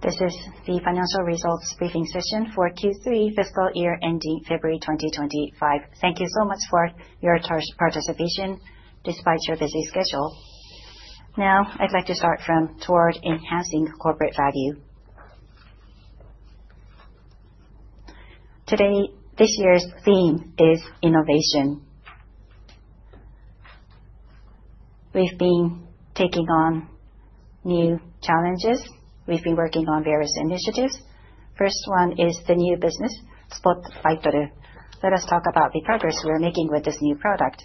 This is the financial results briefing session for Q3 fiscal year ending February 2025. Thank you so much for your participation despite your busy schedule. I'd like to start from toward enhancing corporate value. This year's theme is innovation. We've been taking on new challenges. We've been working on various initiatives. First one is the new business, Spot Baitoru. Let us talk about the progress we're making with this new product.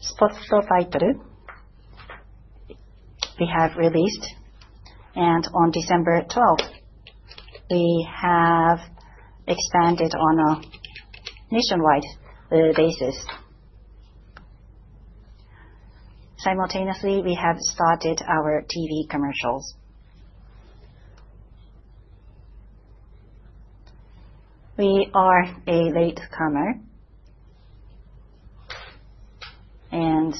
Spot Baitoru, we have released, and on December 12th, we have expanded on a nationwide basis. Simultaneously, we have started our TV commercials. We are a latecomer. We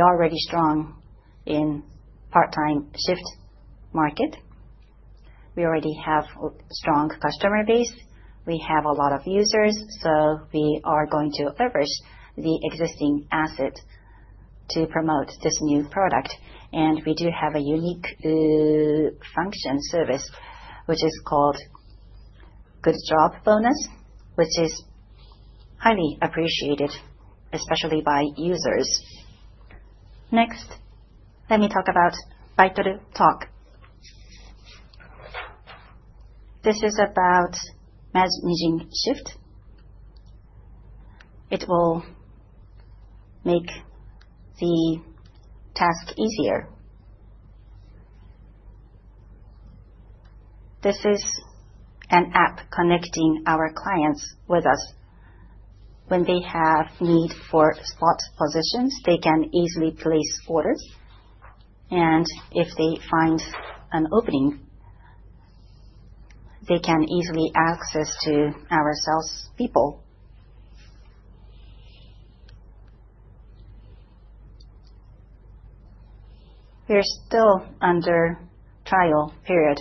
are already strong in part-time shift market. We already have a strong customer base. We have a lot of users. We are going to leverage the existing asset to promote this new product. We do have a unique function service, which is called Good Job Bonus, which is highly appreciated, especially by users. Next, let me talk about Baitoru Talk. This is about managing shift. It will make the task easier. This is an app connecting our clients with us. When they have need for spot positions, they can easily place orders, and if they find an opening, they can easily access to our salespeople. We're still under trial period,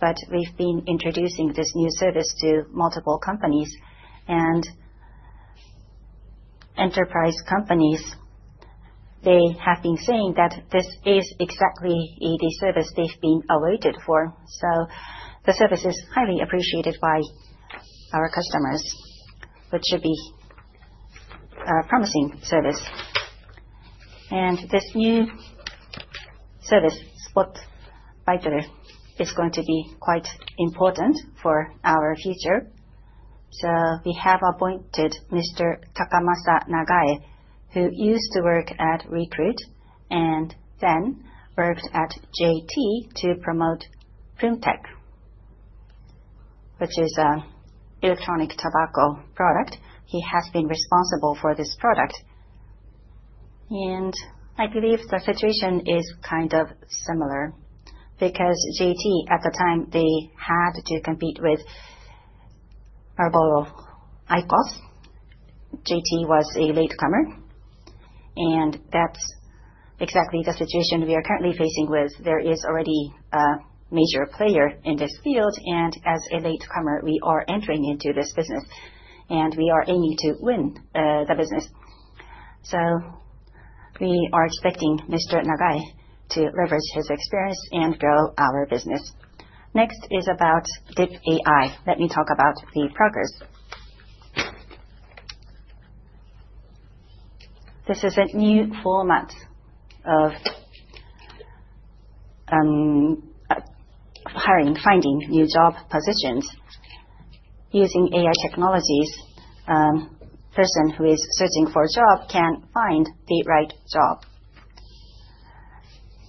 but we've been introducing this new service to multiple companies. Enterprise companies, they have been saying that this is exactly the service they've been awaited for. The service is highly appreciated by our customers, which should be a promising service. This new service, Spot Baitoru, is going to be quite important for our future. We have appointed Mr. Takamasa Nagae, who used to work at Recruit and then worked at JT to promote Ploom TECH, which is an electronic tobacco product. He has been responsible for this product. I believe the situation is kind of similar because JT, at the time, they had to compete with Marlboro IQOS. JT was a latecomer, and that's exactly the situation we are currently facing with. There is already a major player in this field, and as a latecomer, we are entering into this business, and we are aiming to win the business. We are expecting Mr. Nagae to leverage his experience and grow our business. Next is about DIP AI. Let me talk about the progress. This is a new format of hiring, finding new job positions using AI technologies. Person who is searching for a job can find the right job.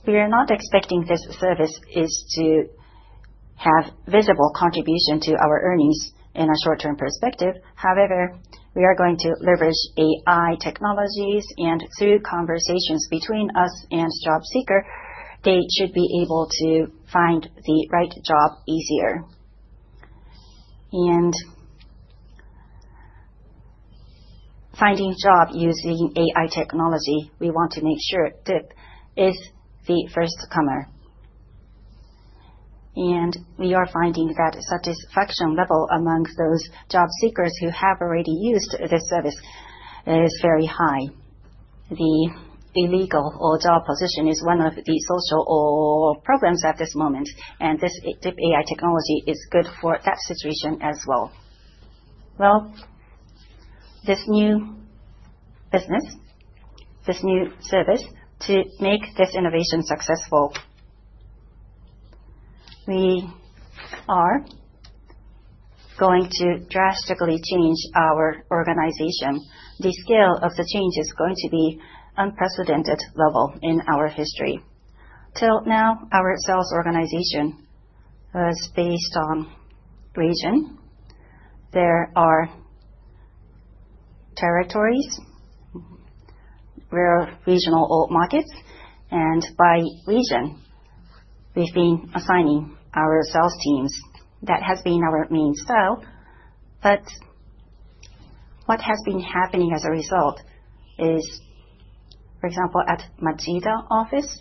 We are not expecting this service is to have visible contribution to our earnings in a short-term perspective. However, we are going to leverage AI technologies, and through conversations between us and job seeker, they should be able to find the right job easier. Finding job using AI technology, we want to make sure that is the firstcomer. We are finding that satisfaction level amongst those job seekers who have already used this service is very high. The illegal job position is one of the social programs at this moment, and this DIP AI technology is good for that situation as well. Well, this new business, this new service to make this innovation successful, we are going to drastically change our organization. The scale of the change is going to be unprecedented level in our history. Till now, our sales organization was based on region. There are territories where regional markets, by region, we've been assigning our sales teams. That has been our main style. What has been happening as a result is, for example, at Machida office,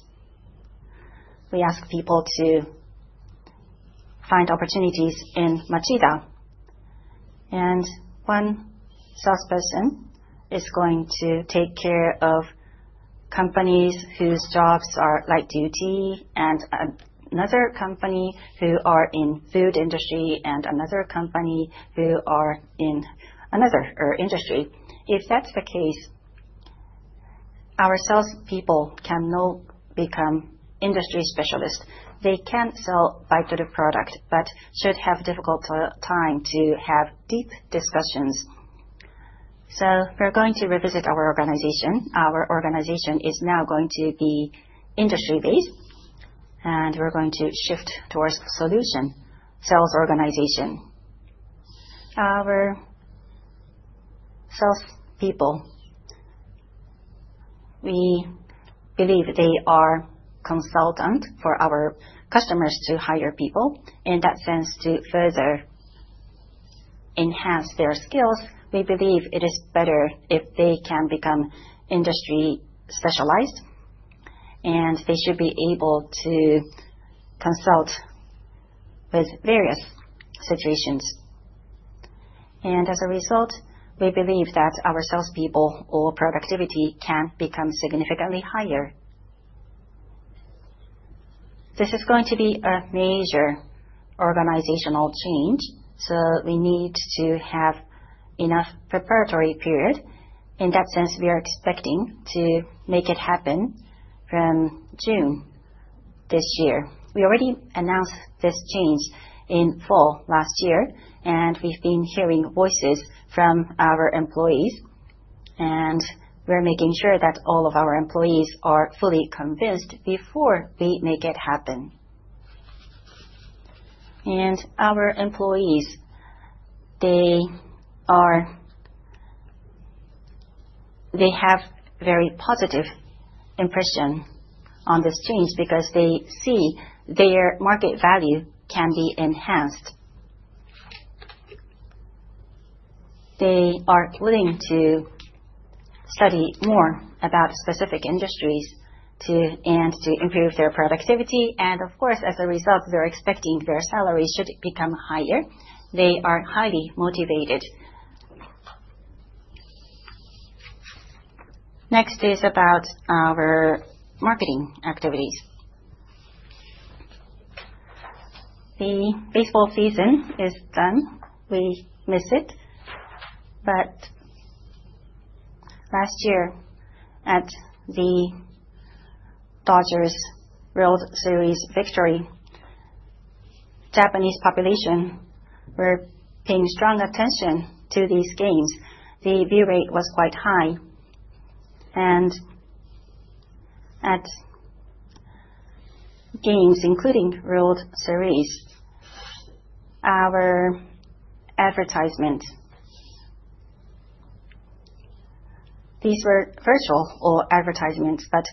we ask people to find opportunities in Machida. One salesperson is going to take care of companies whose jobs are light duty and another company who are in food industry and another company who are in another industry. If that's the case, our salespeople can now become industry specialists. They can sell light duty product, should have difficult time to have deep discussions. We're going to revisit our organization. Our organization is now going to be industry-based, we're going to shift towards solution sales organization. Our salespeople, we believe they are consultant for our customers to hire people. In that sense, to further enhance their skills, we believe it is better if they can become industry specialized, they should be able to consult with various situations. As a result, we believe that our salespeople or productivity can become significantly higher. This is going to be a major organizational change, so we need to have enough preparatory period. In that sense, we are expecting to make it happen from June this year. We already announced this change in fall last year, and we've been hearing voices from our employees, and we're making sure that all of our employees are fully convinced before we make it happen. Our employees, they have very positive impression on this change because they see their market value can be enhanced. They are willing to study more about specific industries to improve their productivity. Of course, as a result, they're expecting their salaries should become higher. They are highly motivated. Next is about our marketing activities. The baseball season is done. We miss it. Last year, at the Dodgers World Series victory, Japanese population were paying strong attention to these games. The view rate was quite high. At games, including World Series, our advertisements, these were virtual or advertisements, but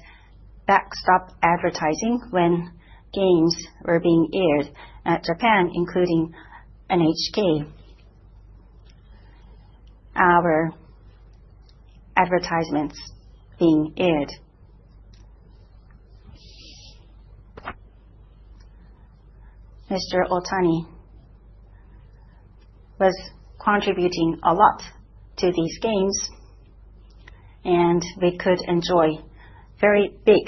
backstop advertising when games were being aired at Japan, including NHK. Mr. Ohtani was contributing a lot to these games, and we could enjoy very big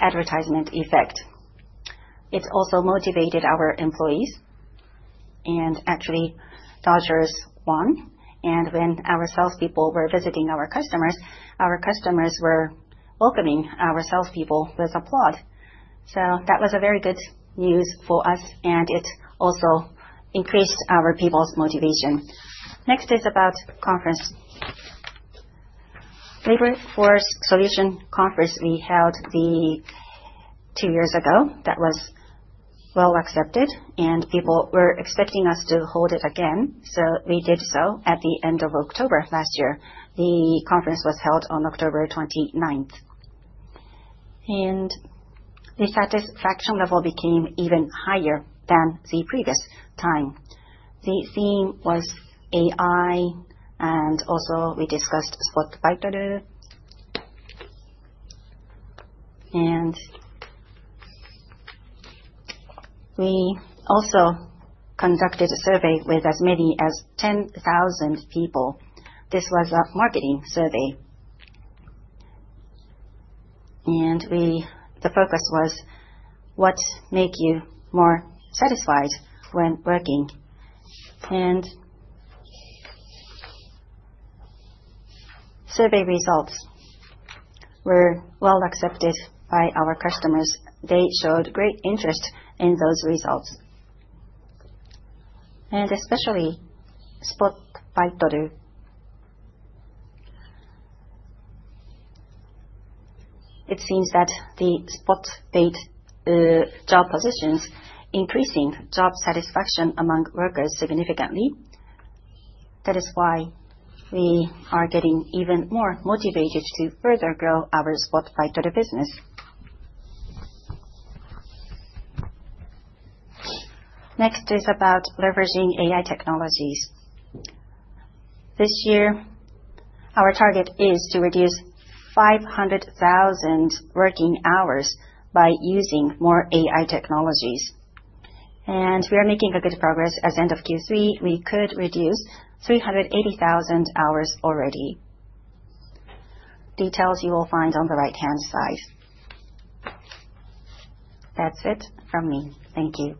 advertisement effect. It's also motivated our employees. Actually, Dodgers won. When our salespeople were visiting our customers, our customers were welcoming our salespeople with applause. That was a very good news for us, and it also increased our people's motivation. Next is about Conference. Labor Force Solution Conference, we held two years ago. That was well accepted, and people were expecting us to hold it again. We did so at the end of October last year. The conference was held on October 29th. The satisfaction level became even higher than the previous time. The theme was AI, and also we discussed Spot Baitoru. We also conducted a survey with as many as 10,000 people. This was a marketing survey. The focus was what make you more satisfied when working. Survey results were well accepted by our customers. They showed great interest in those results. Especially Spot Baitoru. It seems that the Spot Baitoru job positions increasing job satisfaction among workers significantly. That is why we are getting even more motivated to further grow our Spot Baitoru business. Next is about leveraging AI technologies. This year, our target is to reduce 500,000 working hours by using more AI technologies. We are making a good progress. As end of Q3, we could reduce 380,000 hours already. Details you will find on the right-hand side. That's it from me. Thank you.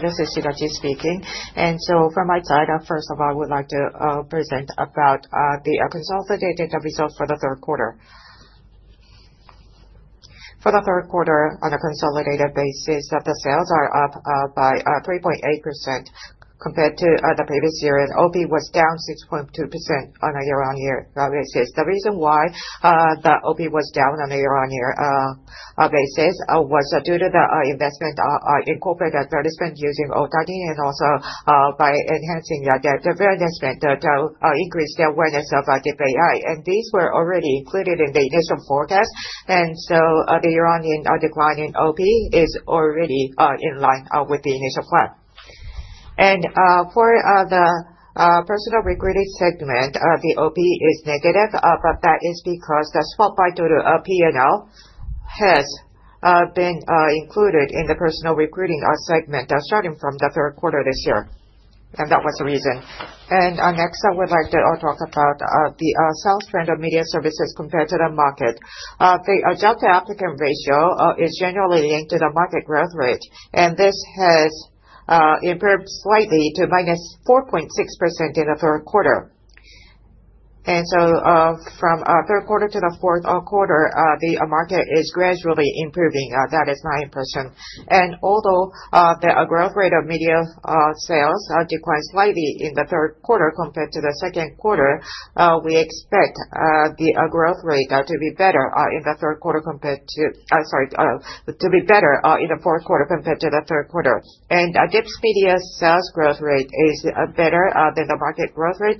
This is Shiraki speaking. From my side, first of all, I would like to present about the consolidated data results for the third quarter. For the third quarter on a consolidated basis, the sales are up by 3.8% compared to the previous year, and OP was down 6.2% on a year-on-year basis. The reason why the OP was down on a year-on-year basis was due to the investment in corporate advertisement using Ohtani and also by enhancing the advertisement to increase the awareness of DIP AI. These were already included in the initial forecast. The year-on-year decline in OP is already in line with the initial plan. For the Personal Recruiting Segment, the OP is negative, but that is because the Spot Baitoru due to P&L has been included in the Personal Recruiting Segment starting from the third quarter this year, and that was the reason. Next, I would like to talk about the sales trend of media services compared to the market. The job-to-applicant ratio is generally linked to the market growth rate, and this has improved slightly to -4.6% in the third quarter. From third quarter to the fourth quarter, the market is gradually improving. That is my impression. Although the growth rate of media sales declined slightly in the third quarter compared to the second quarter, we expect the growth rate to be better in the fourth quarter compared to the third quarter. DIP's media sales growth rate is better than the market growth rate.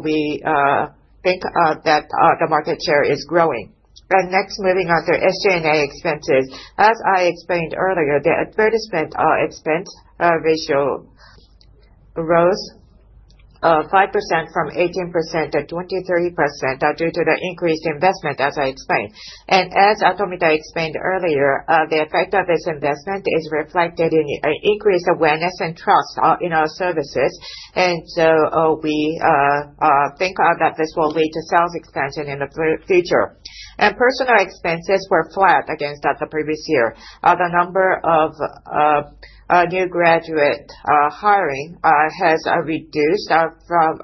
We think that the market share is growing. Next, moving on to SG&A expenses. As I explained earlier, the advertisement expense ratio rose 5% from 18%-23% due to the increased investment as I explained. As Tomita explained earlier, the effect of this investment is reflected in increased awareness and trust in our services. We think that this will lead to sales expansion in the future. Personnel expenses were flat against the previous year. The number of new graduate hiring has reduced from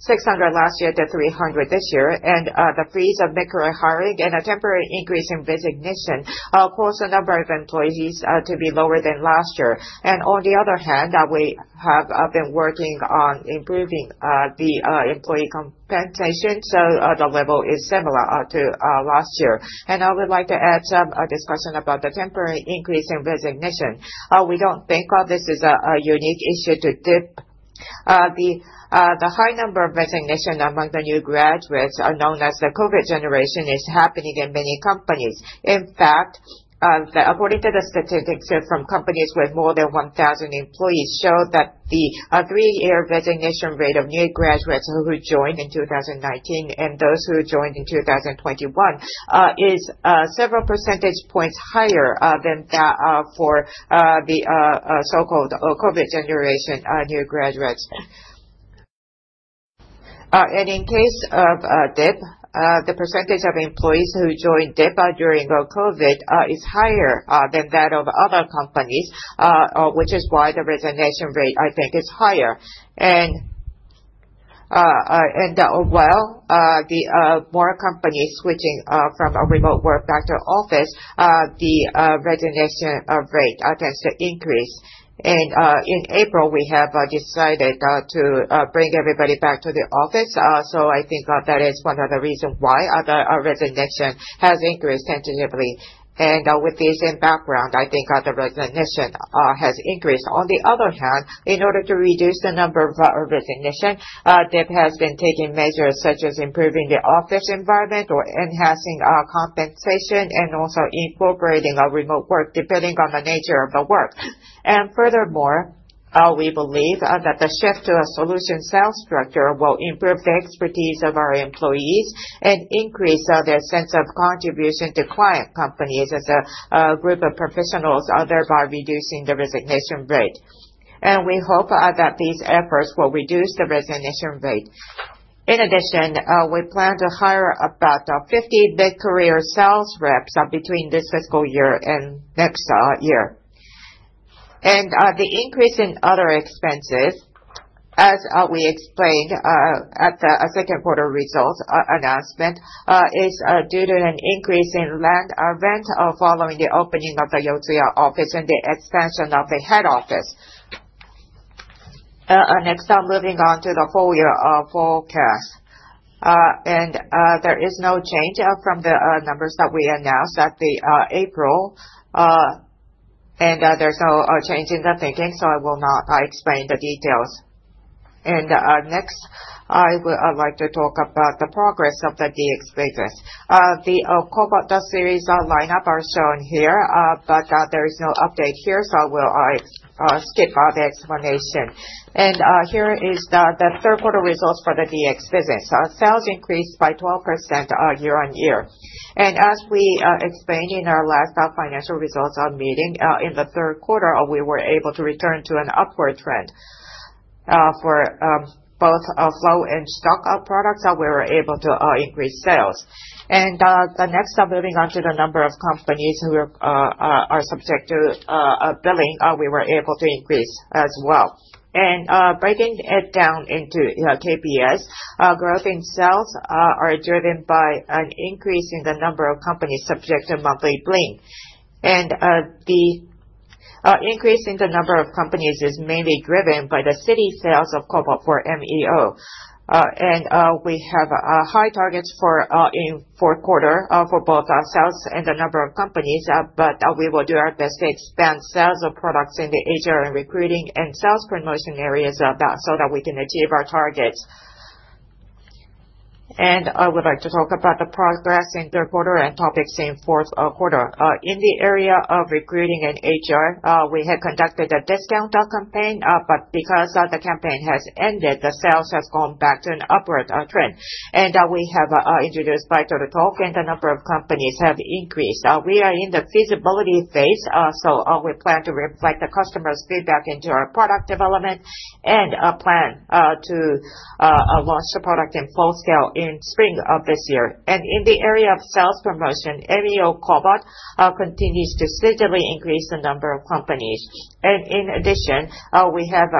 600 last year to 300 this year. The freeze of mid-career hiring and a temporary increase in resignation caused the number of employees to be lower than last year. On the other hand, we have been working on improving the employee compensation, so the level is similar to last year. I would like to add some discussion about the temporary increase in resignation. We don't think this is a unique issue to DIP. The high number of resignation among the new graduates are known as the COVID generation is happening in many companies. In fact, according to the statistics from companies with more than 1,000 employees show that the three-year resignation rate of new graduates who joined in 2019 and those who joined in 2021 is several percentage points higher than that for the so-called COVID generation new graduates. In case of DIP, the percentage of employees who joined DIP during the COVID is higher than that of other companies, which is why the resignation rate, I think, is higher. The more companies switching from remote work back to office, the resignation rate tends to increase. In April, we have decided to bring everybody back to the office. I think that is one of the reason why the resignation has increased tentatively. With this in background, I think the resignation has increased. On the other hand, in order to reduce the number of resignation, DIP has been taking measures such as improving the office environment or enhancing compensation and also incorporating remote work depending on the nature of the work. Furthermore, we believe that the shift to a solution sales structure will improve the expertise of our employees and increase their sense of contribution to client companies as a group of professionals, thereby reducing the resignation rate. We hope that these efforts will reduce the resignation rate. In addition, we plan to hire about 50 mid-career sales reps between this fiscal year and next year. The increase in other expenses, as we explained at the second quarter results announcement, is due to an increase in land rent following the opening of the Yotsuya office and the expansion of the head office. Next, I'm moving on to the whole year forecast. There is no change from the numbers that we announced at the April. There's no change in the thinking, so I will not explain the details. Next I would like to talk about the progress of the DX business. The KOBOT series lineup are shown here, but there is no update here, so I will skip the explanation. Here is the third quarter results for the DX business. Sales increased by 12% year-over-year. As we explained in our last financial results meeting, in the third quarter, we were able to return to an upward trend. For both flow and stock products, we were able to increase sales. The next, I'm moving on to the number of companies who are subject to billing, we were able to increase as well. Breaking it down into, you know, KPIs, growth in sales, are driven by an increase in the number of companies subject to monthly billing. The increase in the number of companies is mainly driven by the steady sales of KOBOT for MEO. We have high targets for in fourth quarter, for both our sales and the number of companies, but, we will do our best to expand sales of products in the HR and recruiting and sales promotion areas, that so that we can achieve our targets. I would like to talk about the progress in third quarter and topics in fourth quarter. In the area of recruiting and HR, we had conducted a discount campaign, but because the campaign has ended, the sales has gone back to an upward trend. We have introduced Baitoru Talk, and the number of companies have increased. We are in the feasibility phase, so we plan to reflect the customers' feedback into our product development and plan to launch the product in full scale in spring of this year. In the area of sales promotion, MEO KOBOT continues to steadily increase the number of companies. In addition, we have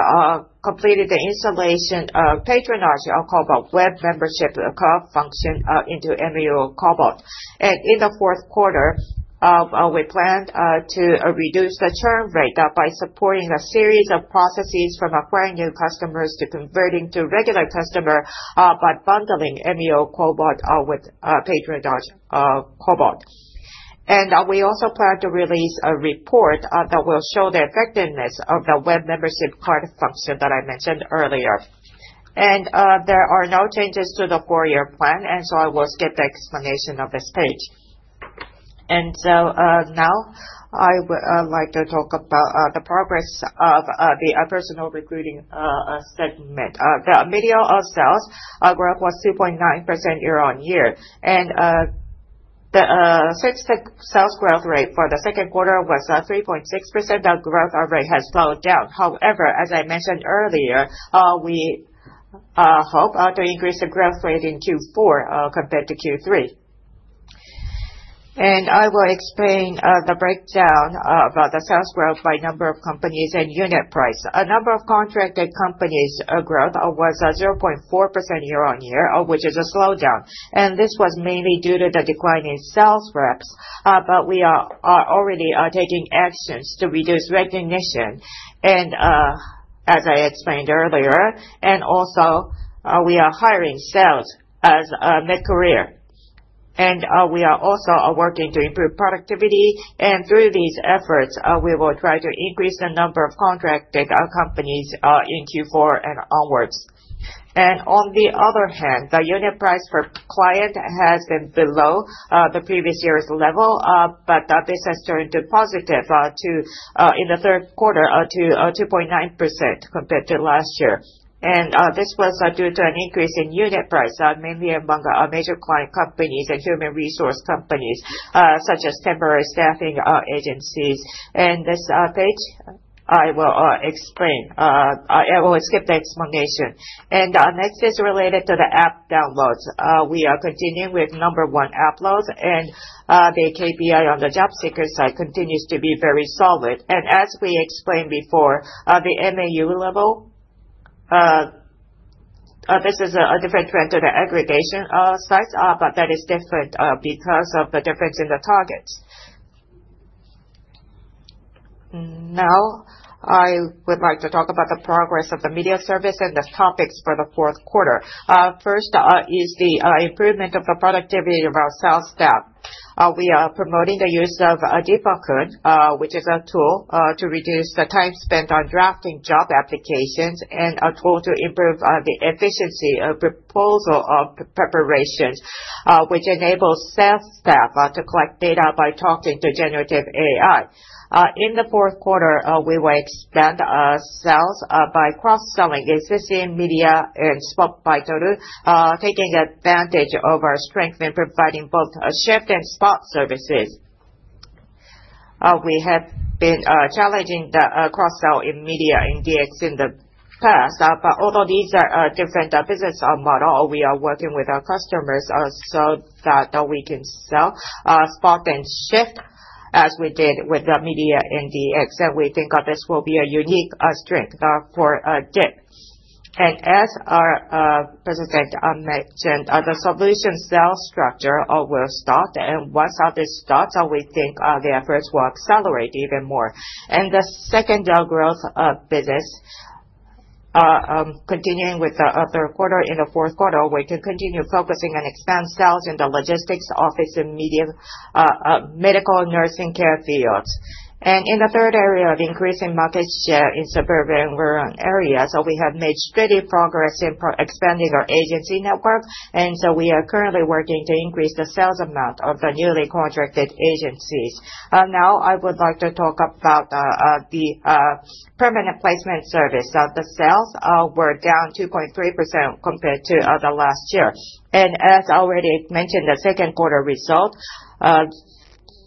completed the installation of Patronage KOBOT web membership card function into MEO KOBOT. In the fourth quarter, we plan to reduce the churn rate by supporting a series of processes from acquiring new customers to converting to regular customer by bundling MEO KOBOT with Patronage KOBOT. We also plan to release a report that will show the effectiveness of the web membership card function that I mentioned earlier. There are no changes to the four-year plan. I will skip the explanation of this page. Now I would like to talk about the progress of the personal recruiting segment. The media sales growth was 2.9% year-on-year. The fixed sales growth rate for the second quarter was 3.6%. The growth rate has slowed down. However, as I mentioned earlier, we hope to increase the growth rate in Q4 compared to Q3. I will explain the breakdown, the sales growth by number of companies and unit price. A number of contracted companies growth was 0.4% year-on-year, which is a slowdown. This was mainly due to the decline in sales reps. But we are already taking actions to reduce recognition. As I explained earlier, and also, we are hiring sales as mid-career. We are also working to improve productivity. Through these efforts, we will try to increase the number of contracted companies in Q4 and onwards. On the other hand, the unit price per client has been below the previous year's level, but that business turned to positive to in the third quarter to 2.9% compared to last year. This was due to an increase in unit price, mainly among our major client companies and human resource companies, such as temporary staffing agencies. This page I will explain. I will skip the explanation. Next is related to the app downloads. We are continuing with number one app loads, and the KPI on the job seeker side continues to be very solid. As we explained before, the MAU level, this is a different trend to the aggregation sites, but that is different because of the difference in the targets. Now, I would like to talk about the progress of the media service and the topics for the fourth quarter. First is the improvement of the productivity of our sales staff. We are promoting the use of dip-kun, which is a tool to reduce the time spent on drafting job applications and a tool to improve the efficiency of proposal preparations, which enables sales staff to collect data by talking to generative AI. In the fourth quarter, we will expand sales by cross-selling existing media and Spot Baitoru, taking advantage of our strength in providing both shift and spot services. We have been challenging the cross-sell in media and DX in the past. Although these are different business model, we are working with our customers so that we can sell spot and shift as we did with the media and DX, and we think this will be a unique strength for DIP. As our President mentioned, the solution sales structure will start. Once all this starts, we think the efforts will accelerate even more. The second growth business, continuing with the third quarter into fourth quarter, we can continue focusing on expand sales in the logistics office and medium medical nursing care fields. In the third area of increasing market share in suburban rural areas, we have made steady progress in expanding our agency network. We are currently working to increase the sales amount of the newly contracted agencies. Now I would like to talk about the permanent placement service. The sales were down 2.3% compared to the last year. As already mentioned, the second quarter result,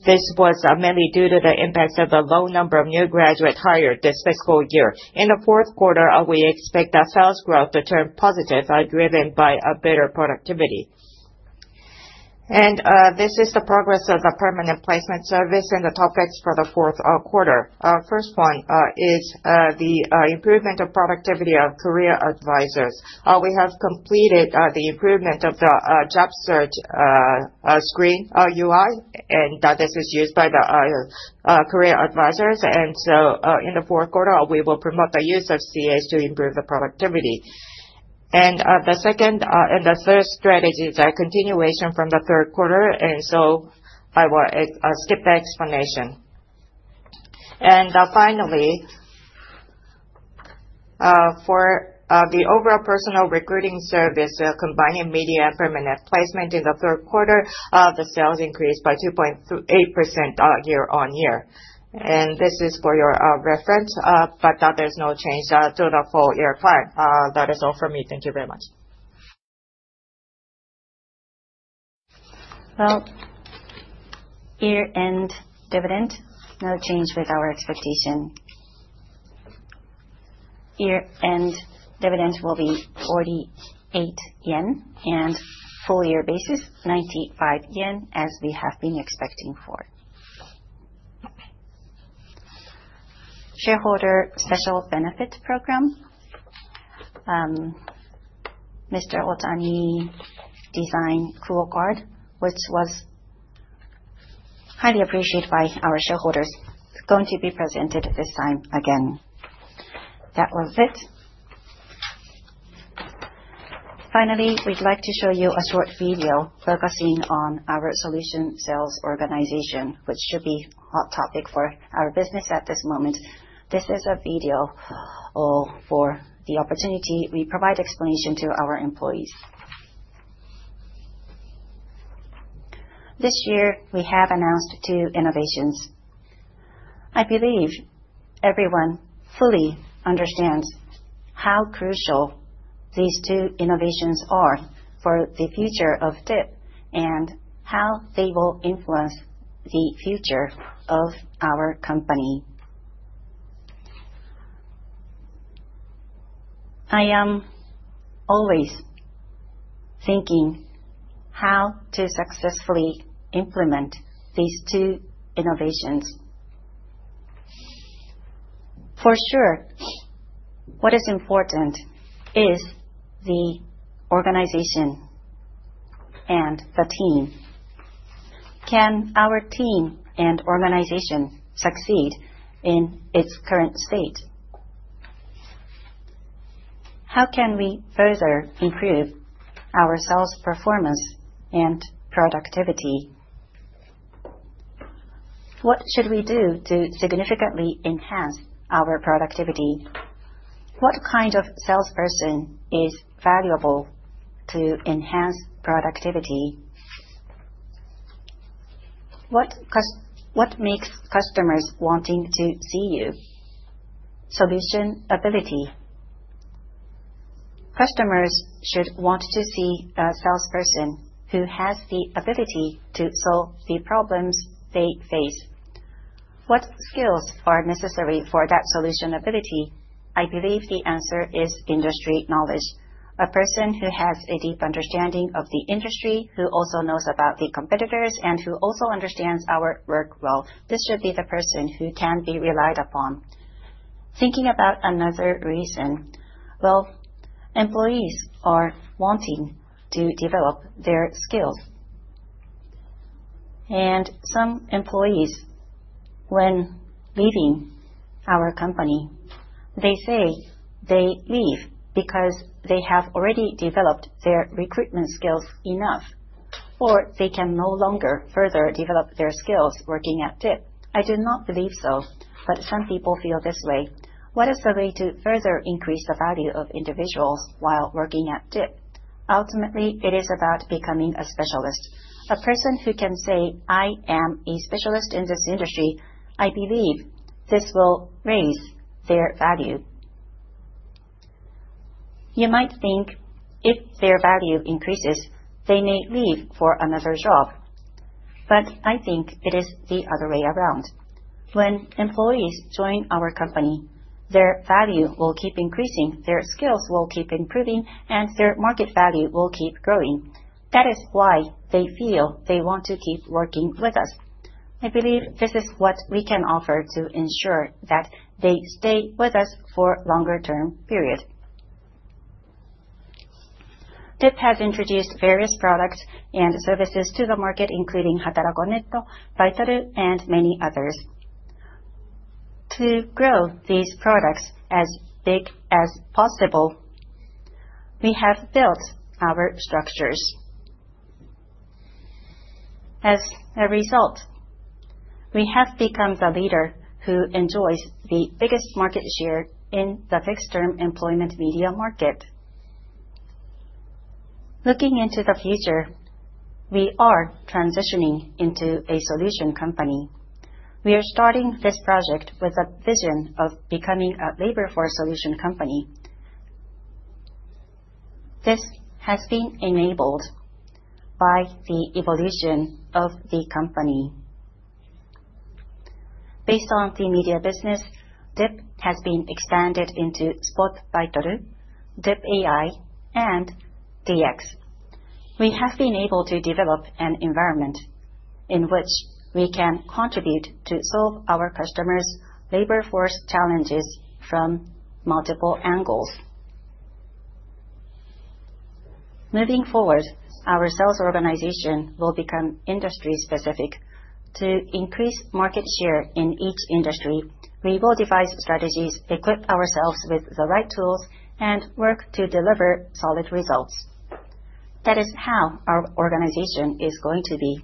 this was mainly due to the impacts of the low number of new graduates hired this fiscal year. In the fourth quarter, we expect that sales growth to turn positive, driven by better productivity. This is the progress of the permanent placement service and the topics for the fourth quarter. First one is the improvement of productivity of career advisors. We have completed the improvement of the job search screen UI, and that is used by the career advisors. In the fourth quarter, we will promote the use of CAs to improve the productivity. The second and the third strategies are continuation from the third quarter, and so I will skip the explanation. Finally, for the overall personal recruiting service, combining media and permanent placement in the third quarter, the sales increased by 2.8% year-over-year. This is for your reference, there's no change to the full year plan. That is all for me. Thank you very much. Year-end dividend, no change with our expectation. Year-end dividend will be 48 yen, and full year basis, 95 yen, as we have been expecting for. Shareholder special benefits program. Mr. Ohtani designed QUO card, which was highly appreciated by our shareholders. It's going to be presented this time again. That was it. Finally, we'd like to show you a short video focusing on our solution sales organization, which should be hot topic for our business at this moment. This is a video for the opportunity we provide explanation to our employees. This year, we have announced two innovations. I believe everyone fully understands how crucial these two innovations are for the future of DIP and how they will influence the future of our company. I am always thinking how to successfully implement these two innovations. For sure, what is important is the organization and the team. Can our team and organization succeed in its current state? How can we further improve our sales performance and productivity? What should we do to significantly enhance our productivity? What kind of salesperson is valuable to enhance productivity? What makes customers wanting to see you? Solution ability. Customers should want to see a salesperson who has the ability to solve the problems they face. What skills are necessary for that solution ability? I believe the answer is industry knowledge. A person who has a deep understanding of the industry, who also knows about the competitors, and who also understands our work well. This should be the person who can be relied upon. Thinking about another reason. Employees are wanting to develop their skills. Some employees, when leaving our company, they say they leave because they have already developed their recruitment skills enough, or they can no longer further develop their skills working at DIP. I do not believe so, but some people feel this way. What is the way to further increase the value of individuals while working at DIP? Ultimately, it is about becoming a specialist. A person who can say, "I am a specialist in this industry," I believe this will raise their value. You might think if their value increases, they may leave for another job. I think it is the other way around. When employees join our company, their value will keep increasing, their skills will keep improving, and their market value will keep growing. That is why they feel they want to keep working with us. I believe this is what we can offer to ensure that they stay with us for longer-term periods. DIP has introduced various products and services to the market, including Hatarako.net, Baitoru, and many others. To grow these products as big as possible, we have built our structures. As a result, we have become the leader who enjoys the biggest market share in the fixed-term employment media market. Looking into the future, we are transitioning into a solution company. We are starting this project with a vision of becoming a labor force solution company. This has been enabled by the evolution of the company. Based on the media business, DIP has been expanded into Spot Baitoru, DIP AI, and DX. We have been able to develop an environment in which we can contribute to solve our customers' labor force challenges from multiple angles. Moving forward, our sales organization will become industry-specific. To increase market share in each industry, we will devise strategies, equip ourselves with the right tools, and work to deliver solid results. That is how our organization is going to be.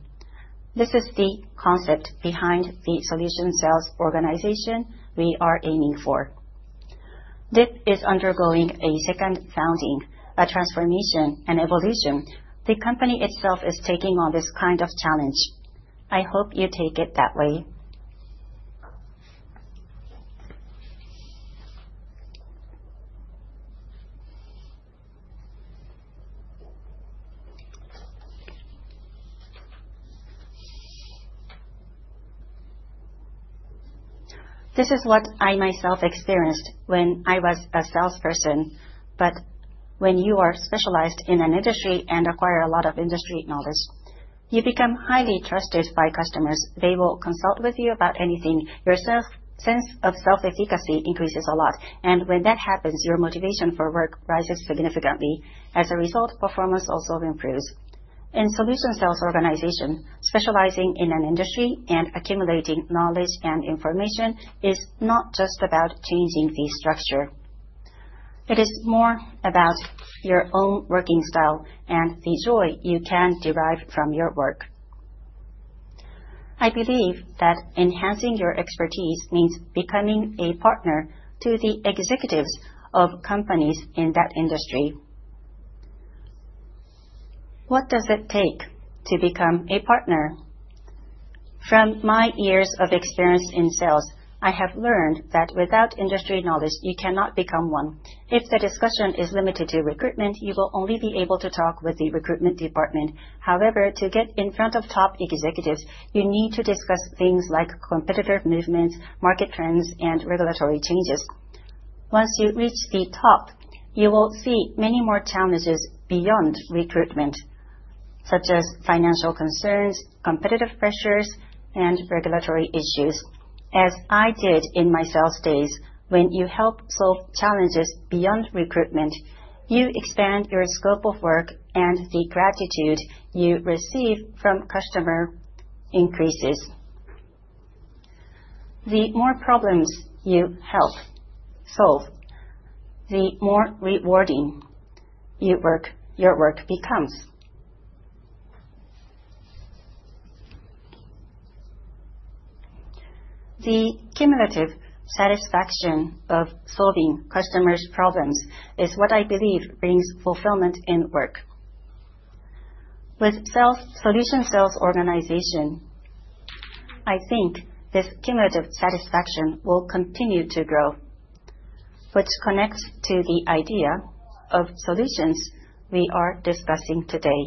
This is the concept behind the solution sales organization we are aiming for. DIP is undergoing a second founding, a transformation, an evolution. The company itself is taking on this kind of challenge. I hope you take it that way. This is what I myself experienced when I was a salesperson. When you are specialized in an industry and acquire a lot of industry knowledge, you become highly trusted by customers. They will consult with you about anything. Your sense of self-efficacy increases a lot, and when that happens, your motivation for work rises significantly. As a result, performance also improves. In solution sales organization, specializing in an industry and accumulating knowledge and information is not just about changing the structure. It is more about your own working style and the joy you can derive from your work. I believe that enhancing your expertise means becoming a partner to the executives of companies in that industry. What does it take to become a partner? From my years of experience in sales, I have learned that without industry knowledge, you cannot become one. If the discussion is limited to recruitment, you will only be able to talk with the recruitment department. However, to get in front of top executives, you need to discuss things like competitive movements, market trends, and regulatory changes. Once you reach the top, you will see many more challenges beyond recruitment, such as financial concerns, competitive pressures, and regulatory issues. As I did in my sales days, when you help solve challenges beyond recruitment, you expand your scope of work and the gratitude you receive from customer increases. The more problems you help solve, the more rewarding your work becomes. The cumulative satisfaction of solving customers' problems is what I believe brings fulfillment in work. With solution sales organization, I think this cumulative satisfaction will continue to grow, which connects to the idea of solutions we are discussing today.